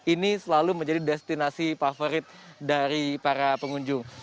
ini selalu menjadi destinasi favorit dari para pengunjung